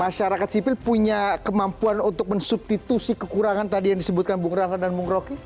masyarakat sipil punya kemampuan untuk mensubstitusi kekurangan tadi yang disebutkan bung rahlan dan bung rocky